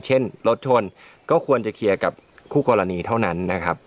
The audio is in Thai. เช่นรถชนก็ควรจะเคลียร์กับคู่กรณีเท่านั้นนะครับ